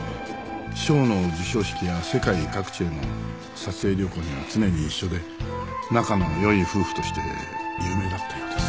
賞の授賞式や世界各地への撮影旅行には常に一緒で仲の良い夫婦として有名だったようです。